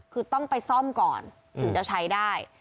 คือต้องไปซ่อมก่อนถึงจะใช้ได้